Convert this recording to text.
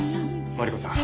マリコさん